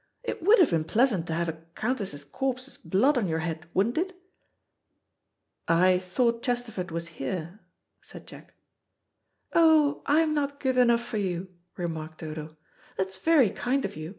It would have been pleasant to have a countess's corpse's blood on your head, wouldn't it?" "I thought Chesterford was here," said Jack. "Oh, I'm not good enough for you," remarked Dodo. "That's very kind of you.